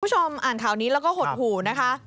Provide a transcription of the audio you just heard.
คุณผู้ชมอ่านข่าวนี้และหดหูนะครับ